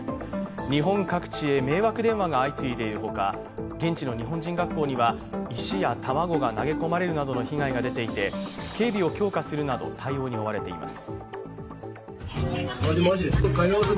日本各地へ迷惑電話が相次いでいるほか、現地の日本人学校には石や卵が投げ込まれるなどの被害が出ていて警備を強化するなど、対応に追われています。